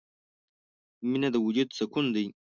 • مینه د وجود سکون دی.